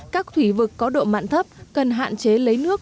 các thủy vực có độ mặn thấp cần hạn chế lấy nước